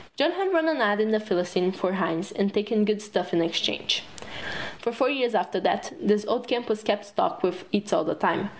John had run an ad in "The Philistine" for Heinz and taken good stuff in exchange. For four years after that, this old camp was kept stocked with eats all the time.